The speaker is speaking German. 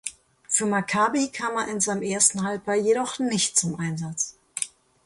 Für Maccabi kam er in seinem ersten Halbjahr jedoch nicht zum Einsatz.